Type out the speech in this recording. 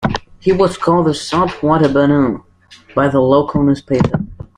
He was called the "salt water Barnum" by the local newspaper.